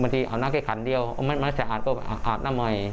บางทีอาบน้ำแค่ขันเดียวมันจะอาดก็อาดน้ำใหม่